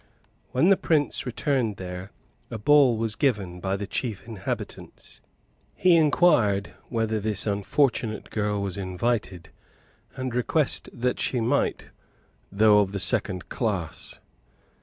When the prince returned there, a ball was given by the chief inhabitants: he inquired whether this unfortunate girl was invited, and requested that she might, though of the second class.